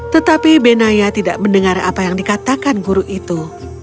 tetapi benaya tidak mendengar apa yang dikatakan guru itu